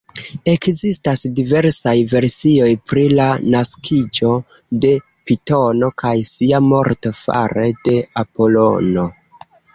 Ekzistas diversaj versioj pri la naskiĝo de Pitono kaj sia morto fare de Apolono.